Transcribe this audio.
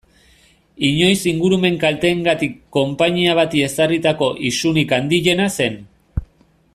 Inoiz ingurumen kalteengatik konpainia bati ezarritako isunik handiena zen.